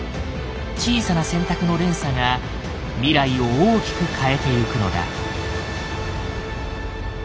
小さな選択の連鎖が未来を大きく変えてゆくのだ。